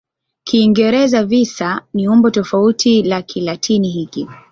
Kiingereza "visa" ni umbo tofauti la Kilatini hiki.